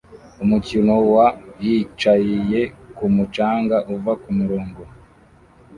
Umukino wa yicaye kumu canga uva kumurongo